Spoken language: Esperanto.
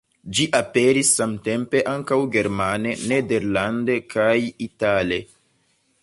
Ĝi aperis samtempe ankaŭ germane, nederlande kaj itale.